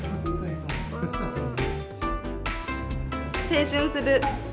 「青春する」。